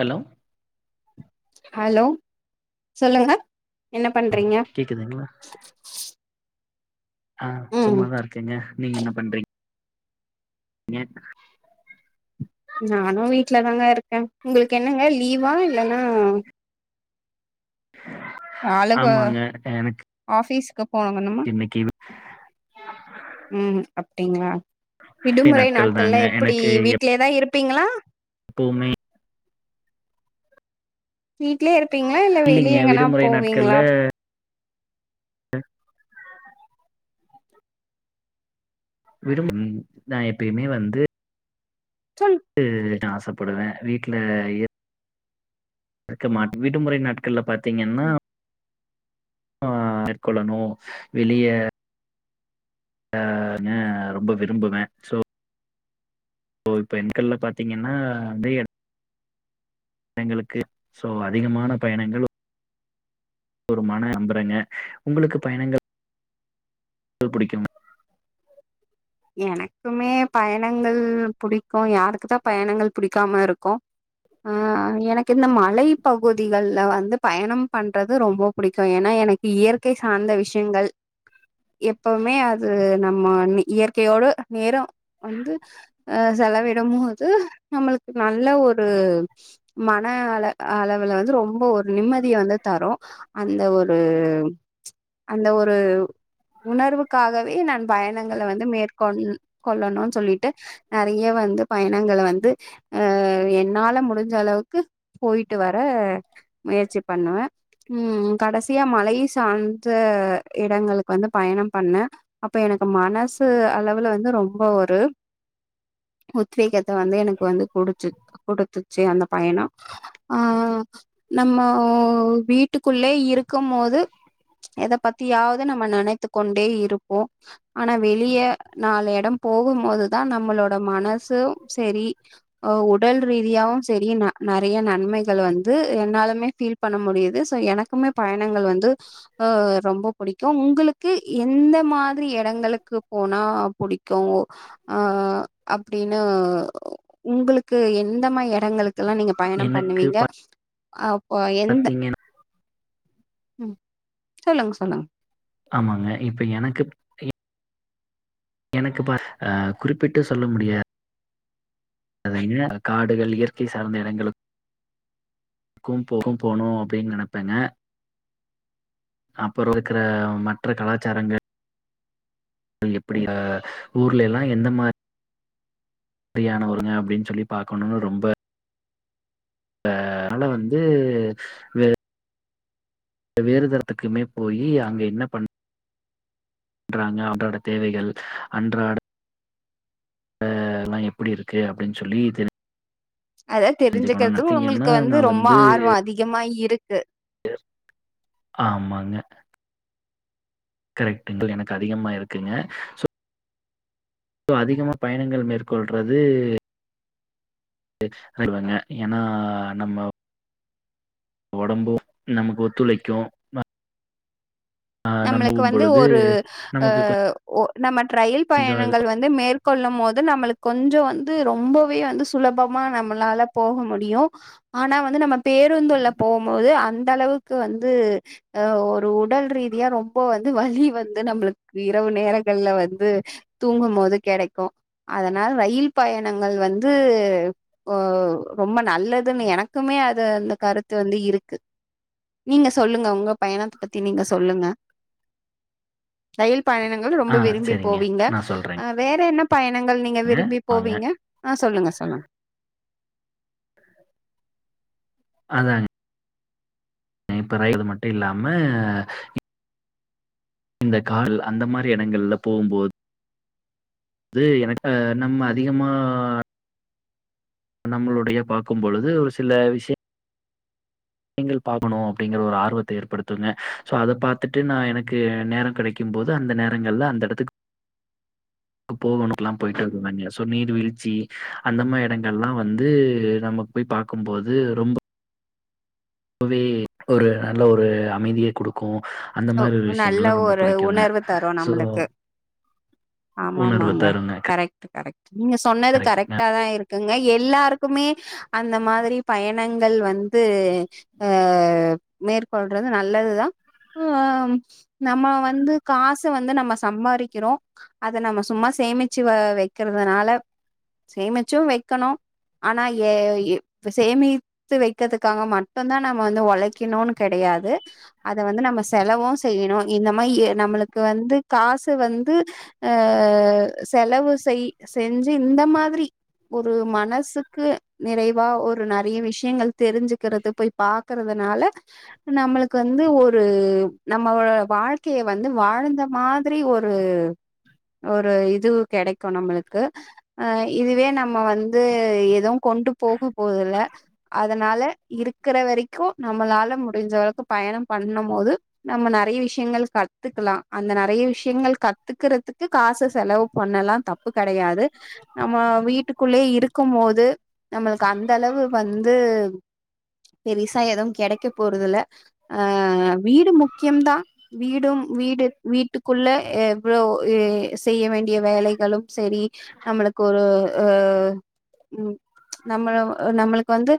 Hello hello சொல்லுங்க என்ன பண்றீங்க கேக்குதுங்ளா [inaudible] ஆ ம் சும்மாதா இருக்கங்க நீங்க என்ன பண்றீங் க நானு வீட்ல தாங்க இருக்கே ஒங்களுக்கு என்னங்க லீவா இல்லனா ஆலுபு ஆமாங்க எனக்கு ஆஃபீஸுக்கு போகணுமா இன்னைக்கு ம் அப்டிங்ளா விடுமுறை நாட்கள் நாட்கள்ல தாங்க எப்பிடி எனக்கு வீட்லயேதா இருப்பீங்களா எப்பவுமே வீட்லயே இருப்பீங்களா இல்ல வெளிய இல்லைங்க எங்கனா விடுமுறை போவீங்களா நாட்கள்ல [inaudible] விடுமும் நா எப்பயுமே வந்து சொன் டு நா ஆசப்படுவே வீட்ல இருக்கு மாட் விடுமுறை நாட்கள்ல பாத்தீங்கன்னா ம் ஆ மேற்கொள்ளணு வெளிய நானு ரொம்ப விரும்புவே சோ இப்ப பெண்கள்ல பாத்தீங்கன்னா வந்து எங்களுக்கு சோ அதிகமான பயணங்கள் ஒருமான அம்பரங்க ஒங்களுக்கு பயணங்கள் முட்ட புடிக்கும்ன எனக்குமே பயணங்கள் புடிக்கு யாருக்கு தா பயணங்கள் புடிக்காம இருக்கு ஆ எனக்கு இந்த மலை பகுதிகள்ல வந்து பயணம் பண்றது ரொம்ப புடிக்கு ஏன்னா எனக் இயற்கை சார்ந்த விஷயங்கள் எப்பவுமே அது நம்ம இயற் இயற்கையோட நேரோ வந்து அ செலவிடும்போது நம்மளுக்கு நல்ல ஒரு மன அள அளவுல வந்து ரொம்ப ஒரு நிம்மதிய வந்து தரும் அந்த ஒரு அந்த ஒரு உணர்வுக்காகவே நான் பயணங்கள வந்து மேற்கொள் கொள்ளணும்னு சொல்லிட்டு நறைய வந்து பயணங்கள வந்து அ என்னால முடிஞ்ச அளவு க்கு போயிட்டு வர முயற்சி பண்ணுவே ம் கடசியா மலை சா த இடங்களுக்கு வந்து பயணம் பண்ண அப்ப எனக்கு மனசு அளவுல வந்து ரொம்ப ஒரு உத்வேகத்த வந்து எனக்கு வந்து குடுச்சு குடுத்துச்சி அந்த பயணம் ஆ நம்ம வீட்டுக்குள்ளே இருக்கும் மோது எத பத்தி யாது நம்ம நெனைத்து கொண்டே இருப்போம் ஆனா வெளியே நாலு எடம் போகும்போதுதா நம்மளோட மனசும் செரி உடல் ரீதியாவும் செரி நறைய நன்மைகள வந்து என்னாலுமே ஃபீல் பண்ண முடியுது சோ எனக்குமே பயணங்கள் வந்து ஆ ஆ ரொம்ப புடிக்கும் உங்களுக்கு எந்த மாதிரி எடங்களுக்கு போனா புடிக்கு அ அப்டின்னு உங்களுக் க்கு எந்த மாரியான எடங்களுக்குல்லா நீங்க பயணம் எனக்கு பண்ணுவீங்க அப்ப எந்த பாத்தீங்க ம் சொல்லுங்க சொல்லுங்க ஆமாங்க இப்ப எனக்கு எனக்கு பா குறிப்பிட்டு சொல்ல முடியா அத்தாங்க காடுகள் இயற்கை சார்ந்த எடங்களுக் க்கும் போகும் போணு அப்டின்னு நெனைப்பேங்க அப்புறோ இருக்கற மற்ற கலாச்சாரங்கள் எப்படி அ ஊர்லல்லா எந்த மாரி மாரியான ஊருங்க அப்டின்னு சொல்லி பாக்கணும்னு ரொம்ப அ அதன வந்து வே வேறு தரத்துக்குமே போயி அங்க என்ன பண்ண ராங்க அன்றாட தேவைகள் அன்றாட அ இதெல்லா எப்டி இருக்கு அப்டின்னு சொல்லி தெரி அத தெரிஞ்சிக்கிறதுக்கு பார்த்தீங்கன்னா உங்களுக்கு வந்து நான் ரொம்ப ஆர்வோ அதிகமா இருக்கு ஆமாங்க கரெக்ட்டுங்க எனக்கு அதிகமா இருக்குங்க சோ சோ அதிகமா பயணங்கள் மேற்கொள்றது எக்ஸ் சொல்லுவேங்க ஏன்னா நம்ம ஒடம்பு நமக்கு ஒத்துழைக்கு நம்ம நம்மளுக்கு ஊம் வந்து பொழுது ஒரு அ நமக்கு நம்ம ரயில் கொஞ்சோ அது பயணங்கள் வந் து மேற்கொள்ளும் போது நம்மளுக்கு கொஞ்சோ வந்து ரொம்பவே வந்து சுலபமா நம்மளால போக முடியு ஆனா வந்து நம்ம பேருந்து உள்ள போகும்போது, அந்த அளவுக்கு வந்து அ ஒரு உடல் ரீதி யா ரொம்ப வந்து வலி வந்து நம்மளுக்கு இரவு நேரங்கள்ல வந்து தூங்கும் போது கெடைக்கு அதனால ரயில் பயணங்கள் வந்து ஒ ரொம்ப நல்லதுன் எனக்குமே அது அந்த கருத்து வந்து இருக்கு. நீங்க சொல்லுங்க, உங்க பயணத்த பத்தி நீங்க சொ சொல்லுங்க ரயில் பயணங்கள் ஆ ரொம்ப விரும்பி செரிங்க போவீங்க நா சொல்றேங்க வேற என்ன பயணங்கள், நீங்க விரும்பி வாங்க போவீங்க. ஆ சொல்லுங்க சொல்லுங்க அதாங்க இப்பரைது மட்டு இல்லாம இந்த காரு அந்த மாரி இடங்கள்ல போம்போது, அது எனக்கு நம்ம அதிகமா நம்மளுடைய பாக்கு பொழுது ஒரு சில விஷய நீங்கள் பாக்கணு அப்டிங்கற ஒரு ஆர்வத்த ஏற்படுத்துங்க சோ அத பாத்துட்டு நா எனக்கு நேர கெடைக்கு கு போது அந்த நேரங்கள்ல அந்த இடத்துக்கு போவனக்குல்லா போய்ட்டு வண்டிய சோ நீர் வீழ்ச்சி, அந்த மாரி இடங்கள்லா வந்து நம்ம போய் பாக்குபோது ரொம்ப அப்பவே ஒரு நல்ல ஒரு அமைதிய குடுக்கு அந்த ஓ மாரி ஒரு நல்ல விஷயங்கள்லா ரொம்ப ஒரு புடிக்குங்க உணர்வு தரு சோ நம்மளுக்கு. உணர்வு தருங்க நீங்க சொன்னது ந கரெக்ட்டாதா இருக் இருக்குங்க எல்லாருக்குமே அந்த மாதிரி பயணங்கள் வந்து ஆ மேற்கொள்றது நல்லதுதா ஆ நம்ம வந்து காச வந்து நம்ம சம்பாரிக்கிறோ அத நம்ம சும்மா சேமிச்சு வைக்கறதுனால சேமிச்சு வக்கணு ஆனா ஏ இப்ப சேமி த்து வைக்கிறதுக்காக மட்டும் தா, நம்ம வந்து உழைக்கணுன் கெடையாது. அத வந்து நம்ம செலவு செய்யணு இந்த மாரி நம்மளுக்கு வந்து காசு வந்து அ செலவு செய் செஞ்சு இந்த மாதிரி ஒரு மனசுக்கு நிறைவா ஒரு நெறைய விஷயங்கள் தெரிஞ்சுக்கிறது போய் பாக்குறதுனால நம்மளுக்கு வந்து ஒரு நம்மோட வாழ்க்கைய வந்து வாழ்ந்த மாதிரி ஒரு ஒரு இது கெடைக்கு நம்மளுக்கு அ. இதுவே நம்ம வந்து எதுவு கொண்ட்டு போக போறதில்ல அதனால இருக்கிற வரைக்கு நம்மளால முடிஞ்ச அளவுக்கு பயண பண்ணு போது நம்ம நெறய விஷயங்கள் கத்துக்கலா அந்த நெறய விஷயங்கள் கத்துக்கறதுக்கு காச செலவு பண்ணலா தப்பு கெடையாது. நம்ம வீட்டுக்குள்ளயே இருக்கு போது நம்மளுக்கு அந்த அளவு வந்து பெருசா எது கெடைக்க போறதுல்ல அ வீடு முக்கியம்தா வீடும் வீடு வீட்டுக்குள்ள எவ்ளோ செய்ய வேண்டிய வேலைகளு செரி நம்மளுக்கு ஒரு அ ம் நம்ம நம்மளுக்கு வந்து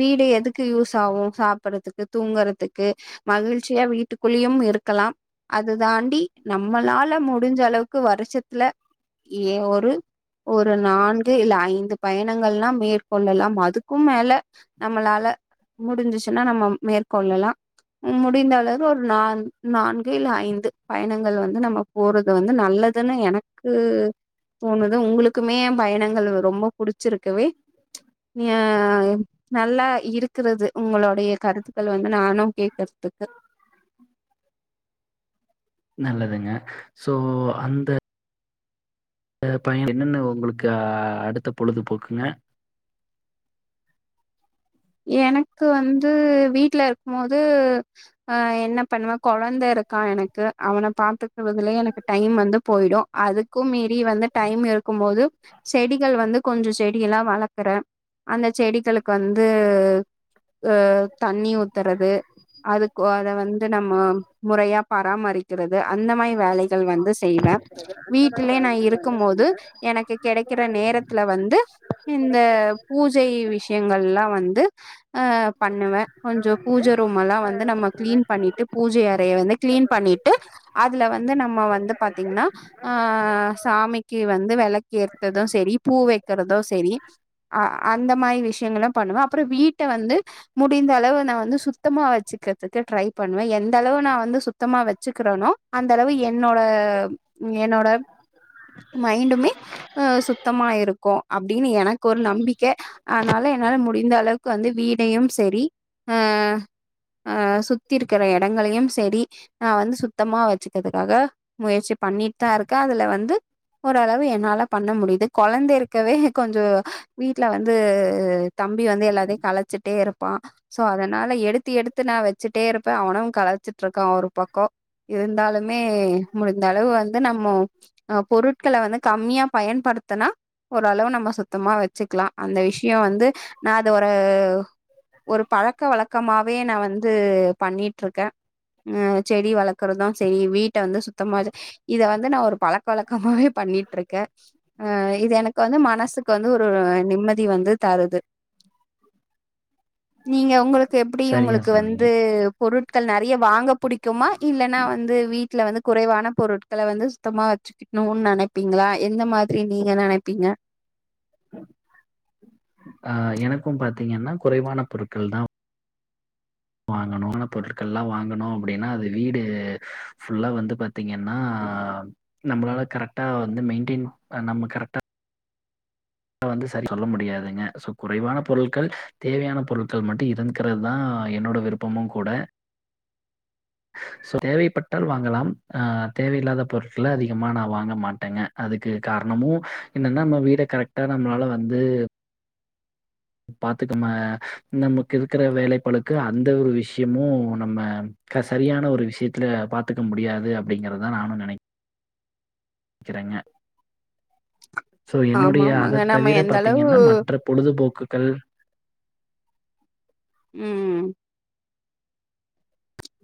வீடு எதுக்கு யூஸ் ஆகு சாப்பறதுக்கு, தூங்குறதுக்கு மகிழ்ச்சி சியா வீட்டுக்குள்ளயும் இருக்கலாம். அது தாண்டி, நம்மளால முடிஞ்ச அளவுக்கு வருஷத்துல ஏ ஒரு ஒரு நான்கு இல்ல ஐந்து பயணங்கள்ளாம் மேற்கொள்ளலாம் அதுக்கும் மேல நம்மளால முடிஞ்சுச்சுன்னா நம்ம மேற்கொள்ளலாம் மு முடிந்தளவு ஒரு நான் நான்கு இல்ல ஐந்து பயணங்கள் வந்து நம்ம போறது வந்து நல்லதுன்னு எனக்கு க்கு தோணுது உங்களுக்குமே பயணங்கள் ரொம்ப புடிச்சுருக்கவே நியாயம் நல்லா இருக்குறது உங்களுடைய கருத்துக்கள் வந்து நானு கேக்கறதுக்கு நல்லதுங்க சோ அந்த பயண என்னென்ன உங்களுக்கு அடுத்த பொழுதுபோக்குங்க எனக்கு வந்து வீட்லருக்கு போது ஆ என்ன பண்ணுவே கொழந்த இருக்கா எனக்கு அவன பாத்துக்கறதுலயே எனக்கு டைம் வந்து போயிடு அது க்கு மீறி வந்து டைம் இருக்கு போது செடிகள் வந்து கொஞ்சோ செடி எல்லா வளக்குறே அந்த செடிகளுக்கு வந்து உ தண்ணி ஊத்தறது அதுக்கு அத வந்து நம்ம முறையா பராமரிக்கறது அந்த மாரி வேலை கள் வந்து செய்வ வீட்டுலயே நா இருக்கு போது எனக்கு கெடைக்கற நேரத்துல வந்து இந்த பூஜை விஷ்யங்கள்லா வந்து பண்ணுவ கொஞ்சோ பூஜ ரூம் எல்லா வந்து நம்ம கிளீன் பண்ணிட்டு பூஜை அறைய வந்து கிளீன் பண்ணிட்டு அதுல வந்து நம்ம வந்து பாத்தீங்ன்னா ஆ சாமிக்கு வந்து வெளக் ஏர்த்தது சரி பூ வெக்கறது சரி, அ அந்த மாரி விஷயங்கள பண்ணுவ அப்பரோ வீட்ட வந்து முடிந்தளவு நா வந்து சுத்தமா வெச்சுக்கறதுக்கு ட்ரை பண்ணுவே எந்தளவு நா வந்து சுத்தமா வச்சுக்கரனோ அந்தளவு என்னோட என்னோட மைண்டுமே அ சுத்தமா இருக்கு அப்டின்னு எனக்கு ஒரு நம்பிக்க அதனால என்னால முடிந்தளவுக்கு வந்து வீடயு சரி ஆ ஆ சுத்தி இருக்குற எடங்களையு சேரி நா வந்து சுத்தமா வெச்சுக்கறதுக்காக முயற்சி பண்ணிட்தா இருக்கே அதுல வந்து ஓரளவு என்னால பண்ண முடிது கொழந்த இருக்கவே கொஞ்சோ வீட்ல வந்து தம்பி வந்து எல்லாத்தையு கலச்சிட்டேருப்பா சோ அதனால எடுத்து எடுத்து நா வெச்சுட்டே இருப்பே அவனு கலச்சு ட்ருக்கா ஒரு பக்கோ இருந்தாலுமே முடிந்தளவு வந்து நம்மோ அ பொருட்கள வந்து கம்மியா பயன்படுத்தனா ஓரளவு நம்ம சுத்தமா வெச்சுக்லா அந்த விஷ்யோவந்து நா அத ஒரு ஒரு பழக்க வழக்க மாவே நா வந்து பண்ணிட்ருக்க அ செடி வளக்குறது சேரி வீட்ட வந்து சுத்தமா வெச்சுக்கா சேரி இத வந்து நா ஒரு பழக்க வழக்கமாவே பண்ணிட்ருக்கே அ இது எனக்கு வந்து மனசுக்கு வந்து ஒரு நிம்மதி வந்து தருது நீங்க உங்களுக்கு எப்டி சரியா உங்களுக்கு சொன்னீங்க வந்து பொருட்கள் நெறைய வாங்க புடி க்குமா இல்லன்னா வந்து வீட்ல வந்து குறைவான பொருட்கள வந்து சுத்தமா வெச்சுக்கணுனு நெனப்பீங்ளா எந்த மாதிரி நீங்க நெனப்பீங்க ஆ எனக்கு பாத்தீங்கன்னா குறைவான பொருட்கள் தா பொருட்கள்லா வாங்கணு அப்டின்னா அது வீடு ஃபுல்லா வந்து பாத்தீங்கன்னா நம்ளால கரக்டா வந்து மெயின்டென் பண்ண கரக்டா வந்து செரி சொல்ல முடியாதுங்க சோ குறைவான பொருட்கள் தேவையான பொருட்கள் மட்டு இருகிறது தா என்னோட விருப் பமு கூட சோ தேவைப்பட்டாள் வாங்கலாம் ஆ தேவையில்லாத பொருட்கள அதிகமா நா வாங்க மாட்டேங்க அதுக்கு காரணமு என்னென்னா நம்ம வீட கரெக்டா நம்ளால வந்து பாத்துக்கம நமக்கு இருக்குற வேலைப்பளுக்கு அந்த ஒரு விஷ்யமு நம்ம க சரியான ஒரு விஷ்யத்துல பாத்துக்க முடியாது அப்டிங்கிறத்தா நானு நெனை க்கிறேங்க. சோ ஆமா என்னுடய அத ஆமாங்க நம்ம தவிர எந்த அளவு பாத்தீங்கன்னா மற்ற பொழுதுபோக்குகள் ம்.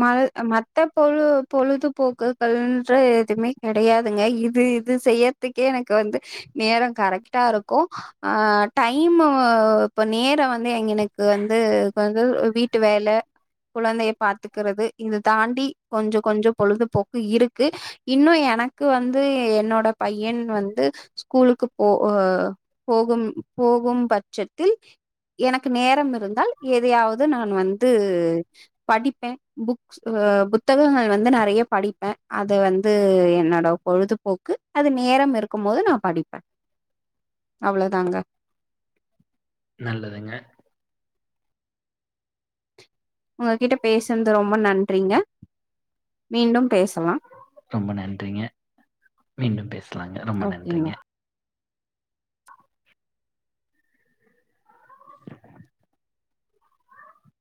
ம மத்த பொழு பொழுதுபோக்குகள்ன்ற எதுமே கெடையாதுங்க இது இது செய்யத்துக்கே எனக்கு வந்து நேரோ கரெக்ட்டா இருக்கு அ டைமு வ இப்ப நேரோ வந்து எங்கென க்கு வந்து [unintelligible] அ வீட்டு வேல குழந்தையப் பாத்துக்கறது இது தாண்டி கொஞ்சோ கொஞ்சோ பொழுதுபோக்கு இருக்கு. இன்னு எனக்கு வந்து என்னோட பையன் வந்து ஸ்கூலுக்கு போ அ போகும் போகும் பட்சத்தில் எனக்கு நேரம் இருந்தால் எதையாவது நான் வந்து படிப்பே புக்ஸ் அ புத்தகங்கள் வந்து ந றைய படிப்பே அத வந்து என்னோட பொழுதுபோக்கு அது நேரம் இருக்கும் போது நா படிப்பே, அவ்ளதாங்க. நல்லதுங்க. உங்ககிட்ட பேசன்து ரொம்ப நன்றிங்க மீண்டும் பேசலா. ரொம்ப நன்றிங்க மீண்டும் பேசலாங்க ரொம்ப ஓகேங்க நன்றிங்க.